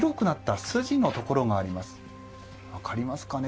分かりますかね？